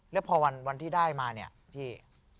แล้วพอวันที่ได้มาเนี่ยพี่